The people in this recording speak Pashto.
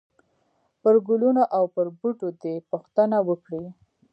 پرګلونو او پر بوټو دي، پوښتنه وکړئ !!!